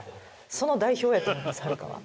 その代表やと思いますはるかは。